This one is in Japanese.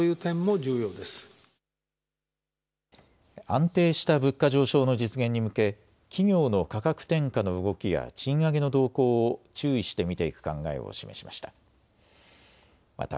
安定した物価上昇の実現に向け企業の価格転嫁の動きや賃上げの動向を注意して見ていく考えを示しました。